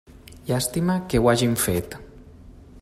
Llàstima que ho hagin fet.